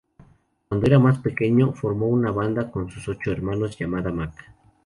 Cuando era más pequeño, formó una banda con sus ocho hermanos llamada Mac.